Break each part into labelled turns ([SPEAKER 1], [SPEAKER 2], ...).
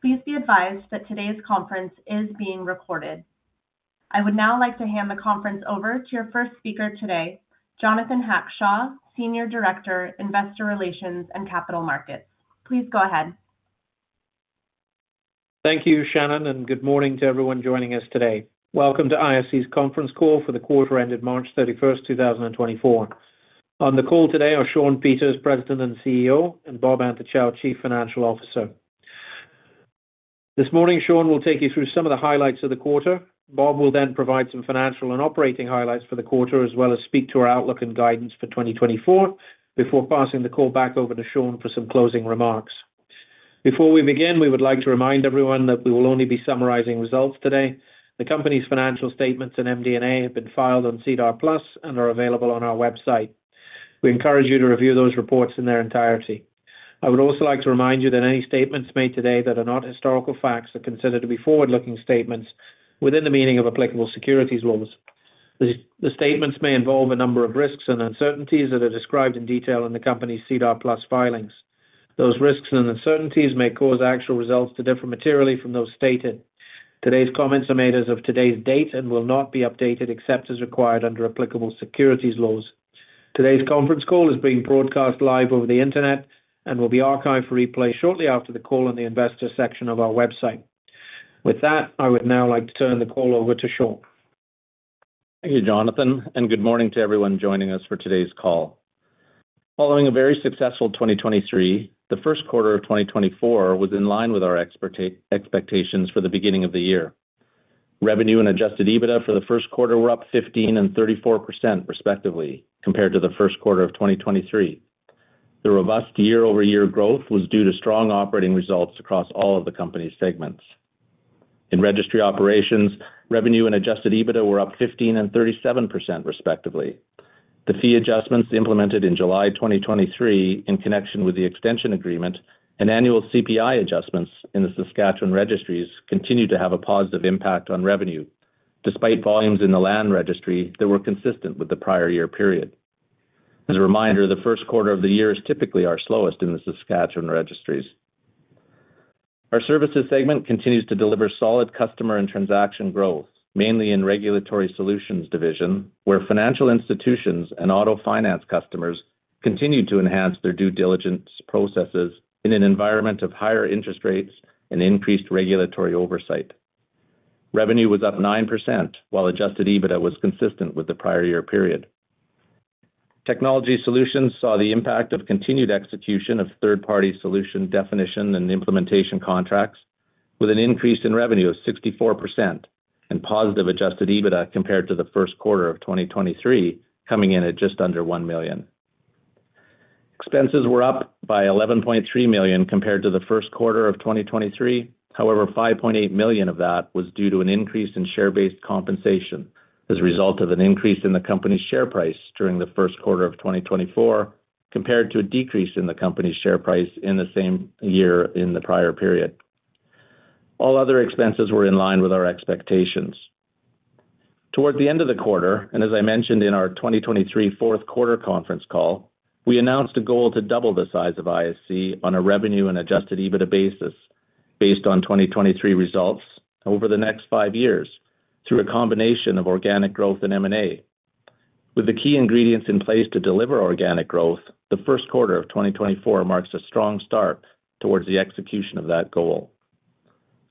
[SPEAKER 1] Please be advised that today's conference is being recorded. I would now like to hand the conference over to your first speaker today, Jonathan Hackshaw, Senior Director, Investor Relations and Capital Markets. Please go ahead.
[SPEAKER 2] Thank you, Shannon, and good morning to everyone joining us today. Welcome to ISC's conference call for the quarter ended March 31st, 2024. On the call today are Shawn Peters, President and CEO, and Bob Antochow, Chief Financial Officer. This morning, Shawn will take you through some of the highlights of the quarter. Bob will then provide some financial and operating highlights for the quarter as well as speak to our outlook and guidance for 2024 before passing the call back over to Shawn for some closing remarks. Before we begin, we would like to remind everyone that we will only be summarizing results today. The company's financial statements and MD&A have been filed on SEDAR+ and are available on our website. We encourage you to review those reports in their entirety. I would also like to remind you that any statements made today that are not historical facts are considered to be forward-looking statements within the meaning of applicable securities laws. The statements may involve a number of risks and uncertainties that are described in detail in the company's SEDAR+ filings. Those risks and uncertainties may cause actual results to differ materially from those stated. Today's comments are made as of today's date and will not be updated except as required under applicable securities laws. Today's conference call is being broadcast live over the internet and will be archived for replay shortly after the call in the investor section of our website. With that, I would now like to turn the call over to Shawn.
[SPEAKER 3] Thank you, Jonathan, and good morning to everyone joining us for today's call. Following a very successful 2023, the first quarter of 2024 was in line with our expectations for the beginning of the year. Revenue and adjusted EBITDA for the first quarter were up 15% and 34% respectively compared to the first quarter of 2023. The robust year-over-year growth was due to strong operating results across all of the company's segments. In Registry Operations, revenue and adjusted EBITDA were up 15% and 37% respectively. The fee adjustments implemented in July 2023 in connection with the extension agreement and annual CPI adjustments in the Saskatchewan Registries continue to have a positive impact on revenue. Despite volumes in the land registry that were consistent with the prior year period. As a reminder, the first quarter of the year is typically our slowest in the Saskatchewan registries. Our Services segment continues to deliver solid customer and transaction growth, mainly in Regulatory Solutions division, where financial institutions and auto finance customers continue to enhance their due diligence processes in an environment of higher interest rates and increased regulatory oversight. Revenue was up 9% while Adjusted EBITDA was consistent with the prior year period. Technology Solutions saw the impact of continued execution of third-party solution definition and implementation contracts with an increase in revenue of 64% and positive Adjusted EBITDA compared to the first quarter of 2023 coming in at just under 1 million. Expenses were up by 11.3 million compared to the first quarter of 2023. However, 5.8 million of that was due to an increase in share-based compensation as a result of an increase in the company's share price during the first quarter of 2024 compared to a decrease in the company's share price in the same year in the prior period. All other expenses were in line with our expectations. Toward the end of the quarter, and as I mentioned in our 2023 fourth quarter conference call, we announced a goal to double the size of ISC on a revenue and Adjusted EBITDA basis based on 2023 results over the next five years through a combination of organic growth and M&A. With the key ingredients in place to deliver organic growth, the first quarter of 2024 marks a strong start towards the execution of that goal.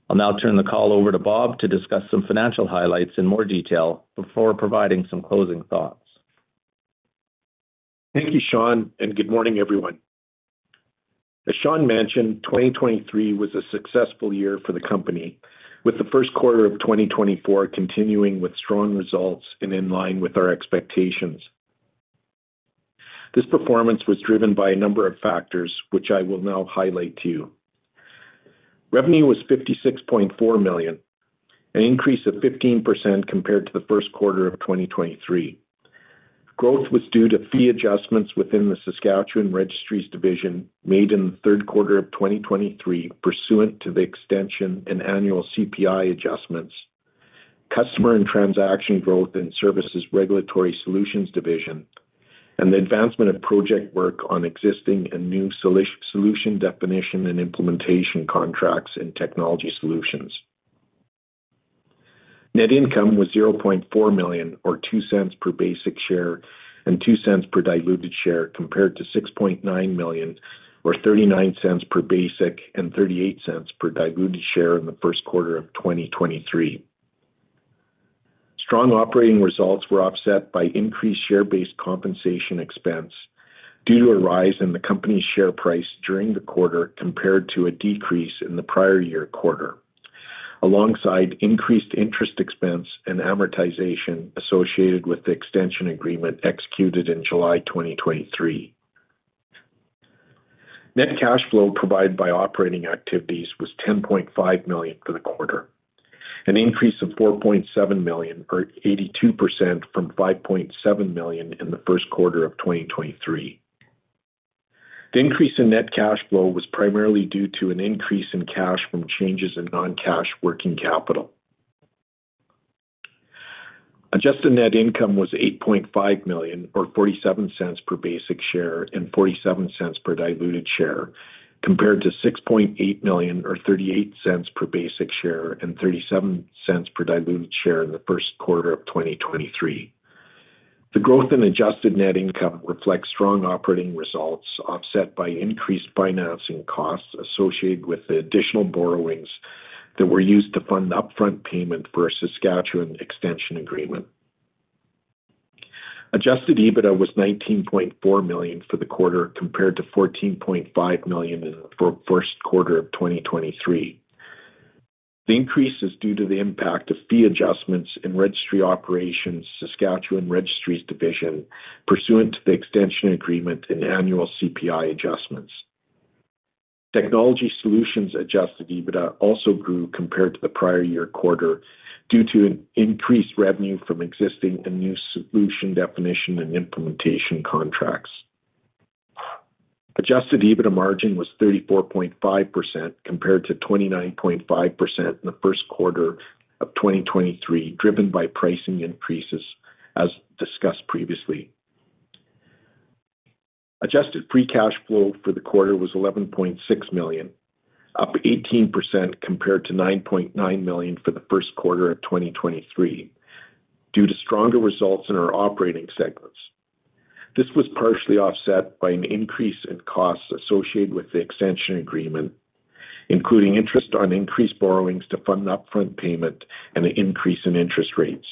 [SPEAKER 3] I'll now turn the call over to Bob to discuss some financial highlights in more detail before providing some closing thoughts.
[SPEAKER 4] Thank you, Shawn, and good morning, everyone. As Shawn mentioned, 2023 was a successful year for the company, with the first quarter of 2024 continuing with strong results and in line with our expectations. This performance was driven by a number of factors, which I will now highlight to you. Revenue was 56.4 million, an increase of 15% compared to the first quarter of 2023. Growth was due to fee adjustments within the Saskatchewan registries division made in the third quarter of 2023 pursuant to the extension and annual CPI adjustments, customer and transaction growth in services regulatory solutions division, and the advancement of project work on existing and new solution definition and implementation contracts in technology solutions. Net income was 0.4 million or 0.02 per basic share and 0.02 per diluted share compared to 6.9 million or 0.39 per basic and 0.38 per diluted share in the first quarter of 2023. Strong operating results were offset by increased share-based compensation expense due to a rise in the company's share price during the quarter compared to a decrease in the prior year quarter, alongside increased interest expense and amortization associated with the extension agreement executed in July 2023. Net cash flow provided by operating activities was 10.5 million for the quarter, an increase of 4.7 million or 82% from 5.7 million in the first quarter of 2023. The increase in net cash flow was primarily due to an increase in cash from changes in non-cash working capital. Adjusted net income was 8.5 million or 0.47 per basic share and 0.47 per diluted share compared to 6.8 million or 0.38 per basic share and 0.37 per diluted share in the first quarter of 2023. The growth in adjusted net income reflects strong operating results offset by increased financing costs associated with the additional borrowings that were used to fund the upfront payment for a Saskatchewan extension agreement. Adjusted EBITDA was 19.4 million for the quarter compared to 14.5 million in the first quarter of 2023. The increase is due to the impact of fee adjustments in registry operations, Saskatchewan registries division pursuant to the extension agreement and annual CPI adjustments. Technology solutions adjusted EBITDA also grew compared to the prior year quarter due to an increased revenue from existing and new solution definition and implementation contracts. Adjusted EBITDA margin was 34.5% compared to 29.5% in the first quarter of 2023, driven by pricing increases, as discussed previously. Adjusted free cash flow for the quarter was 11.6 million, up 18% compared to 9.9 million for the first quarter of 2023 due to stronger results in our operating segments. This was partially offset by an increase in costs associated with the extension agreement, including interest on increased borrowings to fund the upfront payment and an increase in interest rates.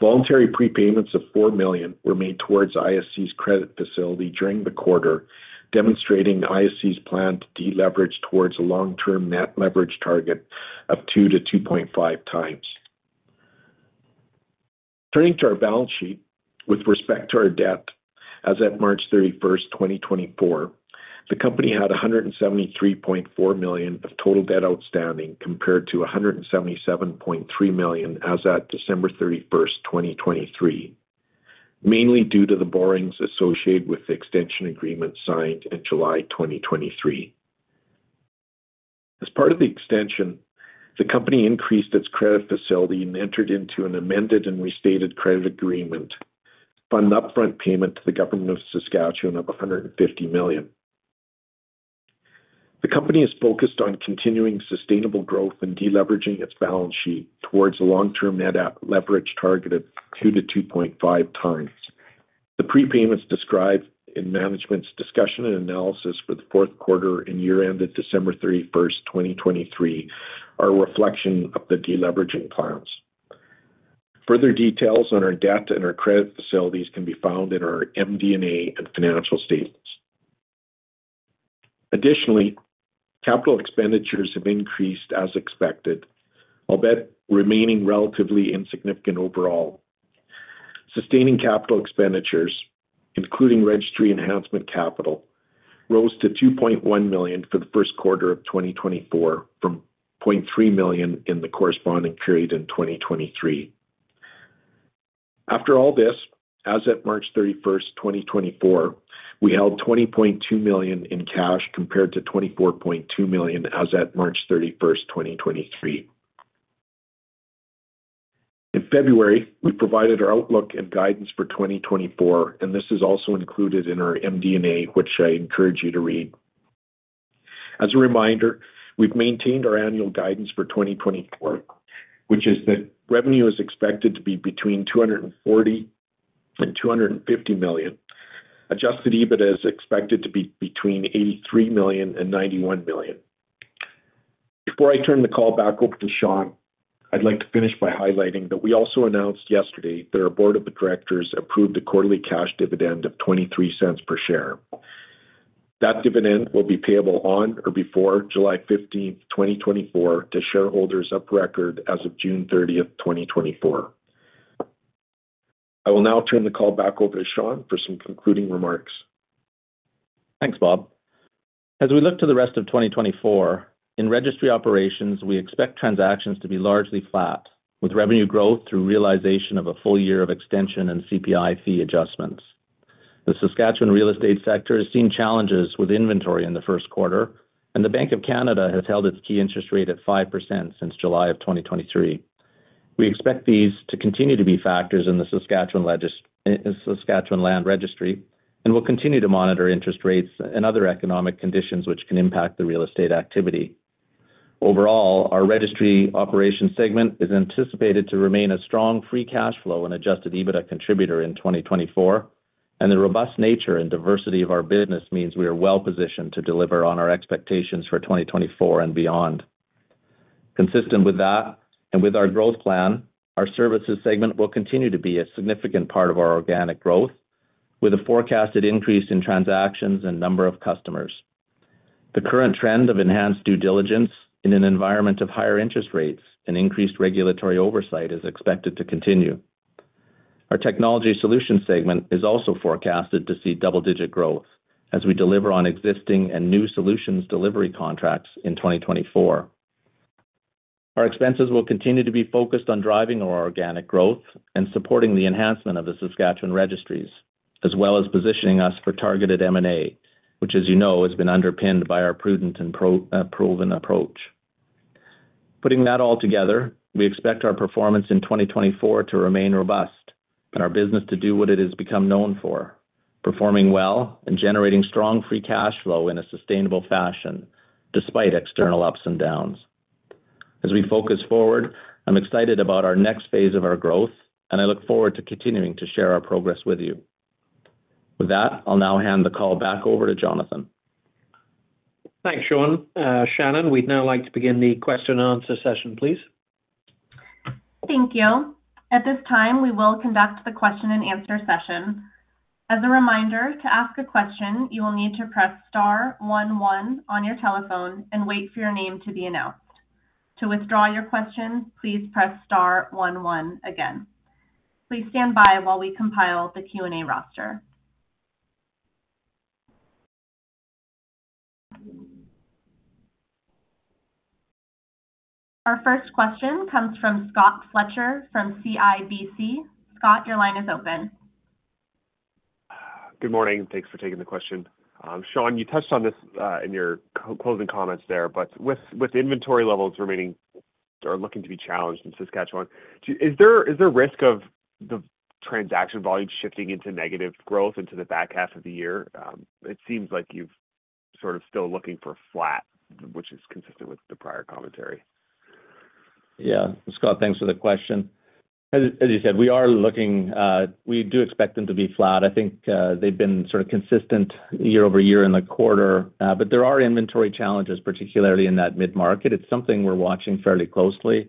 [SPEAKER 4] Voluntary prepayments of 4 million were made towards ISC's credit facility during the quarter, demonstrating ISC's plan to deleverage towards a long-term net leverage target of 2-2.5 times. Turning to our balance sheet with respect to our debt as of March 31st, 2024, the company had 173.4 million of total debt outstanding compared to 177.3 million as of December 31st, 2023, mainly due to the borrowings associated with the extension agreement signed in July 2023. As part of the extension, the company increased its credit facility and entered into an amended and restated credit agreement, funding upfront payment to the Government of Saskatchewan of 150 million. The company is focused on continuing sustainable growth and deleveraging its balance sheet towards a long-term net leverage target of 2-2.5 times. The prepayments described in management's discussion and analysis for the fourth quarter and year ended December 31st, 2023, are a reflection of the deleveraging plans. Further details on our debt and our credit facilities can be found in our MD&A and financial statements. Additionally, capital expenditures have increased as expected, albeit remaining relatively insignificant overall. Sustaining capital expenditures, including registry enhancement capital, rose to 2.1 million for the first quarter of 2024 from 0.3 million in the corresponding period in 2023. After all this, as of March 31st, 2024, we held 20.2 million in cash compared to 24.2 million as of March 31st, 2023. In February, we provided our outlook and guidance for 2024, and this is also included in our MD&A, which I encourage you to read. As a reminder, we've maintained our annual guidance for 2024, which is that revenue is expected to be between 240 million and 250 million. Adjusted EBITDA is expected to be between 83 million and 91 million. Before I turn the call back over to Shawn, I'd like to finish by highlighting that we also announced yesterday that our board of directors approved a quarterly cash dividend of 0.23 per share. That dividend will be payable on or before July 15th, 2024, to shareholders of record as of June 30th, 2024. I will now turn the call back over to Shawn for some concluding remarks.
[SPEAKER 3] Thanks, Bob. As we look to the rest of 2024, in Registry Operations, we expect transactions to be largely flat with revenue growth through realization of a full year of extension and CPI fee adjustments. The Saskatchewan real estate sector has seen challenges with inventory in the first quarter, and the Bank of Canada has held its key interest rate at 5% since July of 2023. We expect these to continue to be factors in the Saskatchewan Land Registry and will continue to monitor interest rates and other economic conditions which can impact the real estate activity. Overall, our Registry Operations segment is anticipated to remain a strong free cash flow and Adjusted EBITDA contributor in 2024, and the robust nature and diversity of our business means we are well positioned to deliver on our expectations for 2024 and beyond. Consistent with that and with our growth plan, our services segment will continue to be a significant part of our organic growth with a forecasted increase in transactions and number of customers. The current trend of enhanced due diligence in an environment of higher interest rates and increased regulatory oversight is expected to continue. Our technology solution segment is also forecasted to see double-digit growth as we deliver on existing and new solutions delivery contracts in 2024. Our expenses will continue to be focused on driving our organic growth and supporting the enhancement of the Saskatchewan registries, as well as positioning us for targeted M&A, which, as you know, has been underpinned by our prudent and proven approach. Putting that all together, we expect our performance in 2024 to remain robust and our business to do what it has become known for, performing well and generating strong free cash flow in a sustainable fashion despite external ups and downs. As we focus forward, I'm excited about our next phase of our growth, and I look forward to continuing to share our progress with you. With that, I'll now hand the call back over to Jonathan.
[SPEAKER 2] Thanks, Shawn. Shannon, we'd now like to begin the question-and-answer session, please.
[SPEAKER 1] Thank you. At this time, we will conduct the question-and-answer session. As a reminder, to ask a question, you will need to press star one one on your telephone and wait for your name to be announced. To withdraw your question, please press star one one again. Please stand by while we compile the Q&A roster. Our first question comes from Scott Fletcher from CIBC. Scott, your line is open.
[SPEAKER 5] Good morning. Thanks for taking the question. Shawn, you touched on this in your closing comments there, but with inventory levels remaining or looking to be challenged in Saskatchewan, is there a risk of the transaction volume shifting into negative growth into the back half of the year? It seems like you've sort of still looking for flat, which is consistent with the prior commentary.
[SPEAKER 3] Yeah. Scott, thanks for the question. As you said, we are looking, we do expect them to be flat. I think they've been sort of consistent year-over-year in the quarter, but there are inventory challenges, particularly in that mid-market. It's something we're watching fairly closely.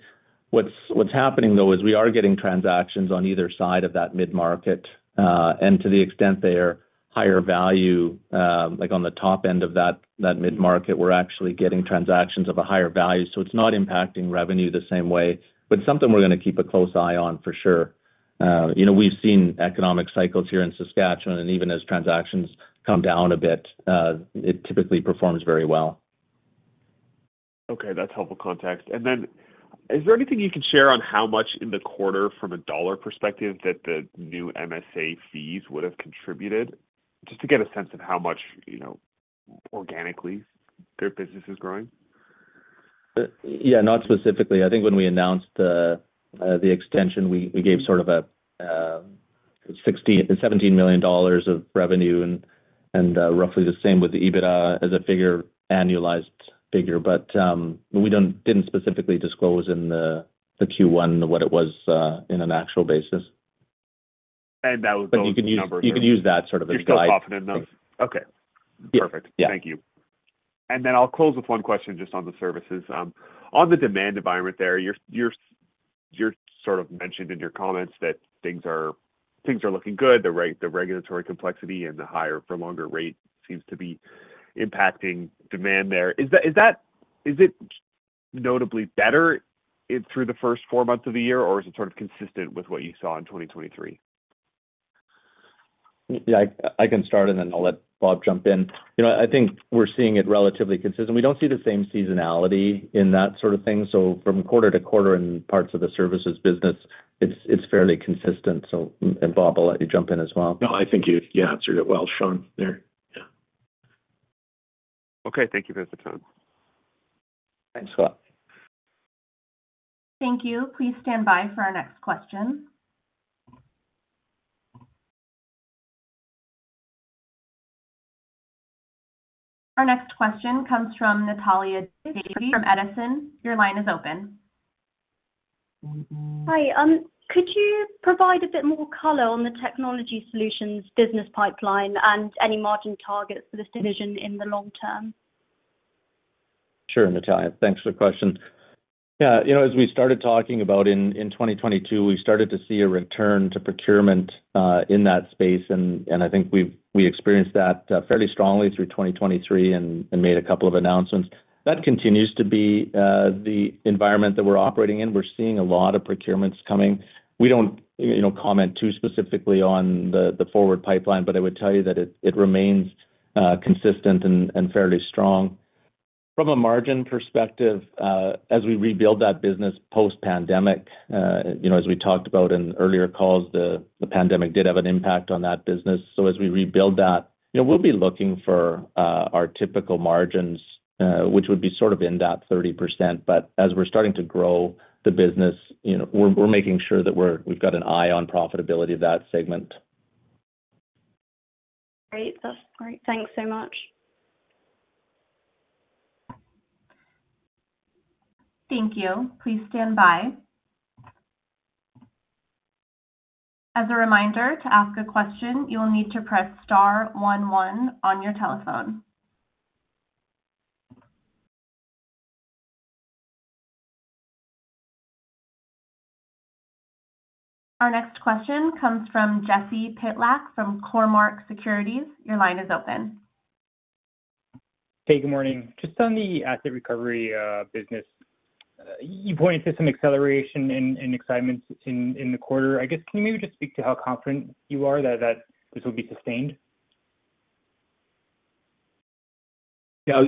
[SPEAKER 3] What's happening, though, is we are getting transactions on either side of that mid-market, and to the extent they are higher value, on the top end of that mid-market, we're actually getting transactions of a higher value. So it's not impacting revenue the same way, but it's something we're going to keep a close eye on for sure. We've seen economic cycles here in Saskatchewan, and even as transactions come down a bit, it typically performs very well.
[SPEAKER 6] Okay. That's helpful context. And then is there anything you can share on how much in the quarter, from a dollar perspective, that the new MSA fees would have contributed, just to get a sense of how much organically their business is growing?
[SPEAKER 3] Yeah. Not specifically. I think when we announced the extension, we gave sort of a 17 million dollars of revenue, and roughly the same with the EBITDA as a figure, annualized figure. But we didn't specifically disclose in the Q1 what it was in an actual basis.
[SPEAKER 6] That was the number.
[SPEAKER 3] But you can use that sort of as a guide.
[SPEAKER 5] You still often enough? Okay. Perfect. Thank you. And then I'll close with one question just on the services. On the demand environment there, you sort of mentioned in your comments that things are looking good. The regulatory complexity and the higher for longer rate seems to be impacting demand there. Is it notably better through the first four months of the year, or is it sort of consistent with what you saw in 2023?
[SPEAKER 3] Yeah. I can start, and then I'll let Bob jump in. I think we're seeing it relatively consistent. We don't see the same seasonality in that sort of thing. So from quarter to quarter in parts of the services business, it's fairly consistent. And Bob, I'll let you jump in as well.
[SPEAKER 4] No, I think you've answered it well, Shawn, there. Yeah.
[SPEAKER 6] Okay. Thank you for the time.
[SPEAKER 3] Thanks, Scott.
[SPEAKER 1] Thank you. Please stand by for our next question. Our next question comes from Natalya Davies from Edison. Your line is open.
[SPEAKER 7] Hi. Could you provide a bit more color on the Technology Solutions business pipeline and any margin targets for this division in the long term?
[SPEAKER 3] Sure, Natalia. Thanks for the question. Yeah. As we started talking about in 2022, we started to see a return to procurement in that space, and I think we experienced that fairly strongly through 2023 and made a couple of announcements. That continues to be the environment that we're operating in. We're seeing a lot of procurements coming. We don't comment too specifically on the forward pipeline, but I would tell you that it remains consistent and fairly strong. From a margin perspective, as we rebuild that business post-pandemic, as we talked about in earlier calls, the pandemic did have an impact on that business. So as we rebuild that, we'll be looking for our typical margins, which would be sort of in that 30%. But as we're starting to grow the business, we're making sure that we've got an eye on profitability of that segment.
[SPEAKER 5] Great. That's great. Thanks so much.
[SPEAKER 1] Thank you. Please stand by. As a reminder, to ask a question, you will need to press star 11 on your telephone. Our next question comes from Jesse Pytlak from Cormark Securities. Your line is open.
[SPEAKER 5] Hey. Good morning. Just on the asset recovery business, you pointed to some acceleration and excitement in the quarter. I guess, can you maybe just speak to how confident you are that this will be sustained?
[SPEAKER 4] Yeah.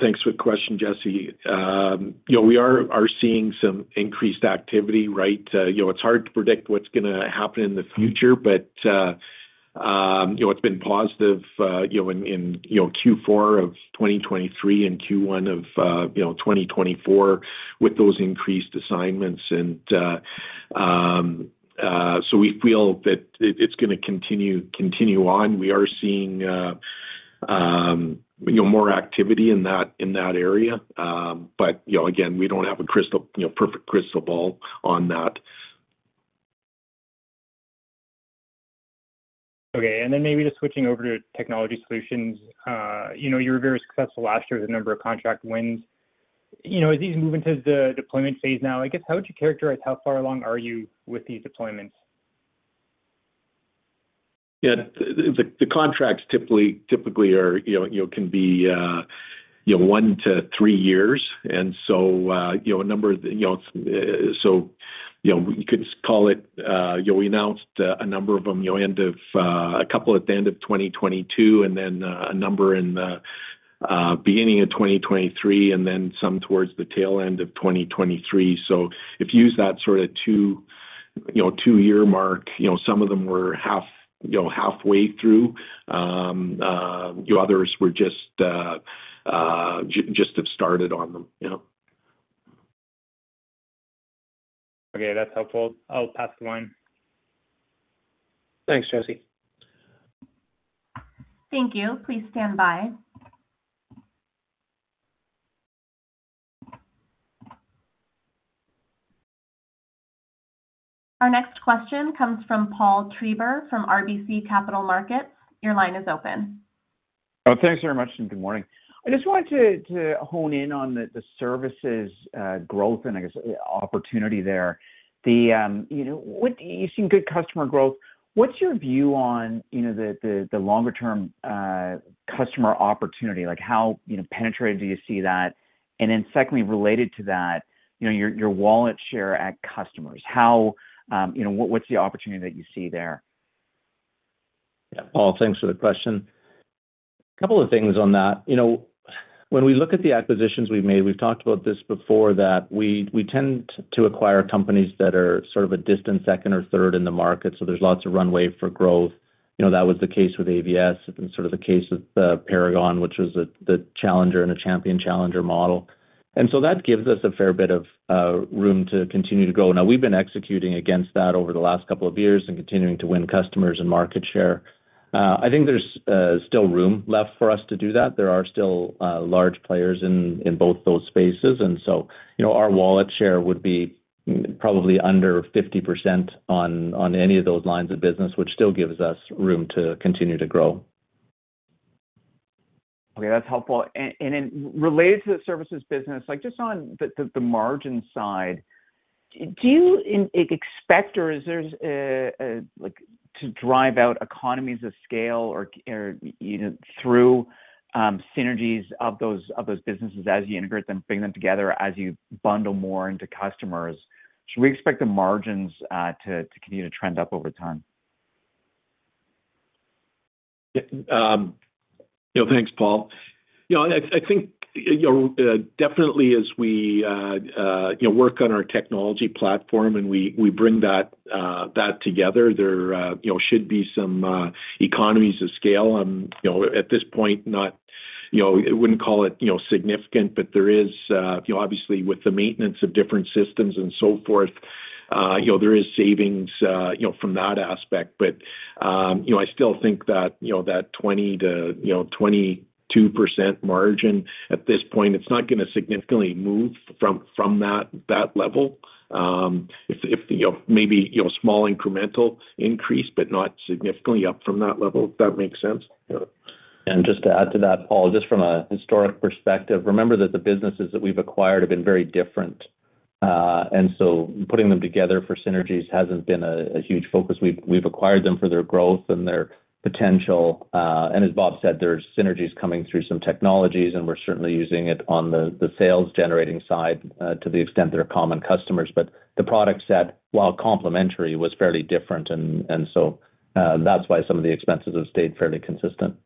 [SPEAKER 4] Thanks for the question, Jesse. We are seeing some increased activity, right? It's hard to predict what's going to happen in the future, but it's been positive in Q4 of 2023 and Q1 of 2024 with those increased assignments. And so we feel that it's going to continue on. We are seeing more activity in that area. But again, we don't have a perfect crystal ball on that.
[SPEAKER 5] Okay. Then maybe just switching over to technology solutions, you were very successful last year with a number of contract wins. As these move into the deployment phase now, I guess, how would you characterize how far along are you with these deployments?
[SPEAKER 4] Yeah. The contracts typically can be 1-3 years. And so a number of so you could call it we announced a number of them a couple at the end of 2022 and then a number in the beginning of 2023 and then some towards the tail end of 2023. So if you use that sort of 2-year mark, some of them were halfway through. Others were just have started on them. Yeah.
[SPEAKER 5] Okay. That's helpful. I'll pass the line.
[SPEAKER 4] Thanks, Jesse.
[SPEAKER 1] Thank you. Please stand by. Our next question comes from Paul Treiber from RBC Capital Markets. Your line is open.
[SPEAKER 5] Thanks very much, and good morning. I just wanted to hone in on the services growth and, I guess, opportunity there. You've seen good customer growth. What's your view on the longer-term customer opportunity? How penetrated do you see that? And then secondly, related to that, your wallet share at customers, what's the opportunity that you see there?
[SPEAKER 4] Yeah. Paul, thanks for the question. A couple of things on that. When we look at the acquisitions we've made, we've talked about this before, that we tend to acquire companies that are sort of a distant second or third in the market. So there's lots of runway for growth. That was the case with AVS. It's sort of the case with Paragon, which was the challenger and a champion challenger model. And so that gives us a fair bit of room to continue to grow. Now, we've been executing against that over the last couple of years and continuing to win customers and market share. I think there's still room left for us to do that. There are still large players in both those spaces. And so our wallet share would be probably under 50% on any of those lines of business, which still gives us room to continue to grow.
[SPEAKER 8] Okay. That's helpful. And then related to the services business, just on the margin side, do you expect or is there to drive out economies of scale or through synergies of those businesses as you integrate them, bring them together, as you bundle more into customers, should we expect the margins to continue to trend up over time?
[SPEAKER 4] Thanks, Paul. I think definitely, as we work on our technology platform and we bring that together, there should be some economies of scale. At this point, I wouldn't call it significant, but there is obviously, with the maintenance of different systems and so forth, there is savings from that aspect. But I still think that 20%-22% margin at this point, it's not going to significantly move from that level. Maybe a small incremental increase, but not significantly up from that level, if that makes sense.
[SPEAKER 3] Just to add to that, Paul, just from a historic perspective, remember that the businesses that we've acquired have been very different. So putting them together for synergies hasn't been a huge focus. We've acquired them for their growth and their potential. And as Bob said, there's synergies coming through some technologies, and we're certainly using it on the sales-generating side to the extent they're common customers. But the product set, while complementary, was fairly different. So that's why some of the expenses have stayed fairly consistent.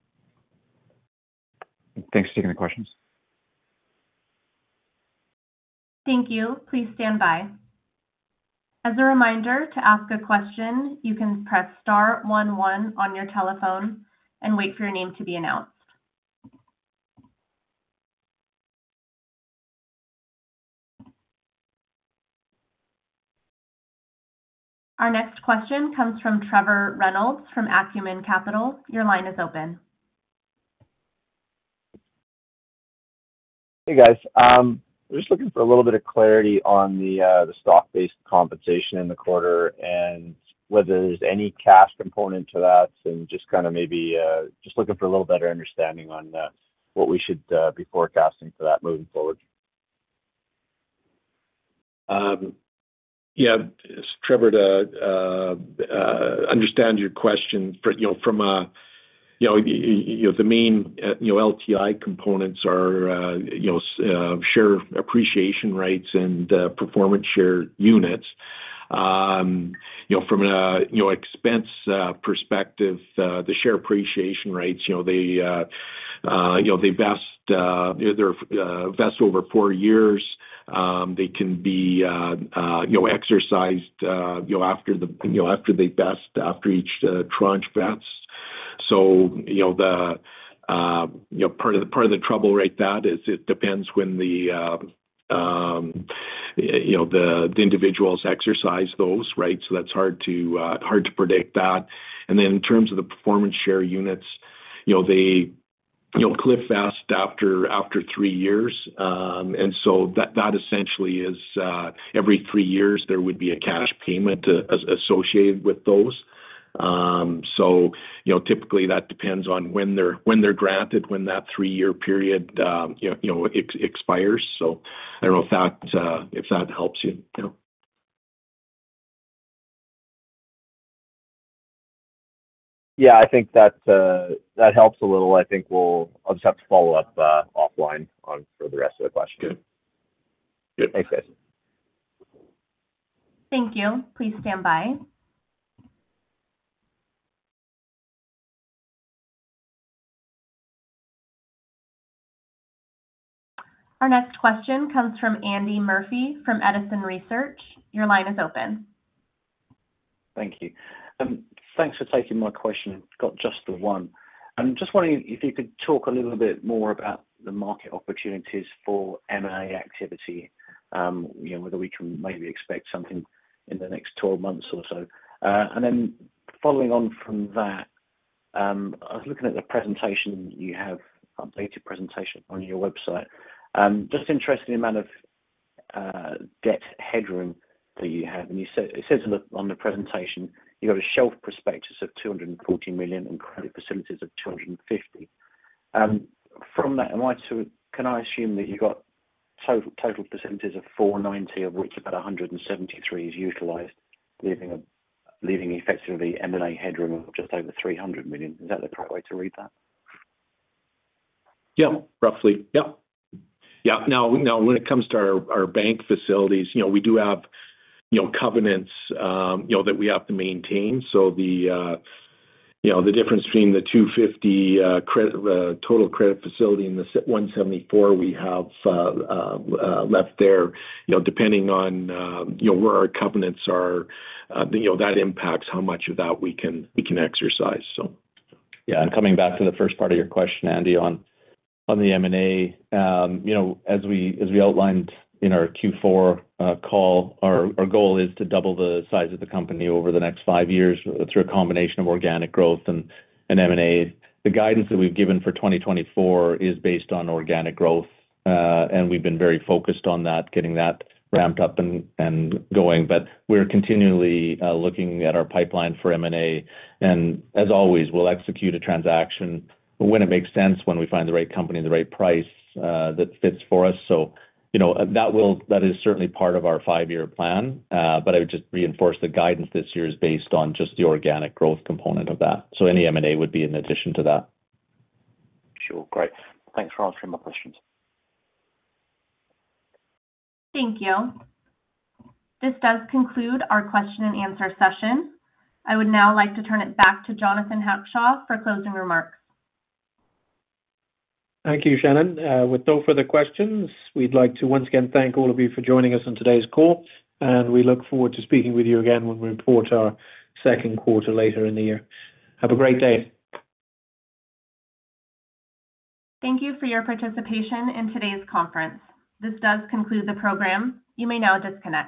[SPEAKER 8] Thanks for taking the questions.
[SPEAKER 1] Thank you. Please stand by. As a reminder, to ask a question, you can press star 11 on your telephone and wait for your name to be announced. Our next question comes from Trevor Reynolds from Acumen Capital. Your line is open.
[SPEAKER 9] Hey, guys. We're just looking for a little bit of clarity on the stock-based compensation in the quarter and whether there's any cash component to that and just kind of maybe just looking for a little better understanding on what we should be forecasting for that moving forward.
[SPEAKER 4] Yeah. Trevor, to understand your question, the main LTI components are Share Appreciation Rights and Performance Share Units. From an expense perspective, the Share Appreciation Rights, they vest over four years. They can be exercised after they vest, after each tranche vests. So part of the trouble right that is it depends when the individuals exercise those, right? So that's hard to predict that. And then in terms of the Performance Share Units, they cliff-vest after three years. And so that essentially is every three years, there would be a cash payment associated with those. So typically, that depends on when they're granted, when that three-year period expires. So I don't know if that helps you. Yeah.
[SPEAKER 9] Yeah. I think that helps a little. I think we'll just have to follow up offline on for the rest of the questions. Thanks, guys.
[SPEAKER 1] Thank you. Please stand by. Our next question comes from Andy Murphy from Edison Group. Your line is open.
[SPEAKER 10] Thank you. Thanks for taking my question. Got just the one. I'm just wondering if you could talk a little bit more about the market opportunities for M&A activity, whether we can maybe expect something in the next 12 months or so. And then following on from that, I was looking at the presentation you have, updated presentation on your website. Just interesting amount of debt hedging that you have. And it says on the presentation, you've got a shelf prospectus of 240 million and credit facilities of 250 million. From that, can I assume that you've got total facilities of 490 million, of which about 173 million is utilized, leaving effectively M&A hedging of just over 300 million? Is that the correct way to read that?
[SPEAKER 4] Yeah. Roughly. Yeah. Yeah. Now, when it comes to our bank facilities, we do have covenants that we have to maintain. So the difference between the 250 total credit facility and the 174 we have left there, depending on where our covenants are, that impacts how much of that we can exercise, so.
[SPEAKER 3] Yeah. Coming back to the first part of your question, Andy, on the M&A, as we outlined in our Q4 call, our goal is to double the size of the company over the next five years through a combination of organic growth and M&A. The guidance that we've given for 2024 is based on organic growth, and we've been very focused on that, getting that ramped up and going. We're continually looking at our pipeline for M&A. As always, we'll execute a transaction when it makes sense, when we find the right company and the right price that fits for us. That is certainly part of our five-year plan. I would just reinforce the guidance this year is based on just the organic growth component of that. Any M&A would be in addition to that.
[SPEAKER 10] Sure. Great. Thanks for answering my questions.
[SPEAKER 1] Thank you. This does conclude our question-and-answer session. I would now like to turn it back to Jonathan Hackshaw for closing remarks.
[SPEAKER 2] Thank you, Shannon. With no further questions, we'd like to once again thank all of you for joining us on today's call. We look forward to speaking with you again when we report our second quarter later in the year. Have a great day.
[SPEAKER 1] Thank you for your participation in today's conference. This does conclude the program. You may now disconnect.